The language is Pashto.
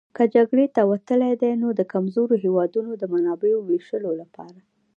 که جګړې ته وتلي دي نو د کمزورو هېوادونو د منابعو وېشلو لپاره.